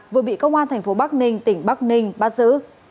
vừa bị công an thành phố bắc ninh tỉnh bắc ninh bắt giữ